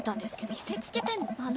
「見せつけてんの？」。